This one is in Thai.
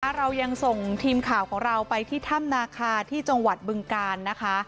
เรายังส่งทีมข่าวของเราไปที่ถ้ำนาคาที่จังหวัดบึงกาลนะคะ